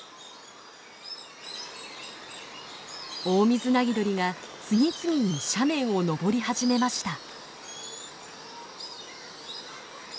オオミズナギドリが次々に斜面を登り始めました。